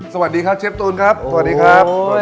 สวัสดีครับเชฟตูนครับสวัสดีครับ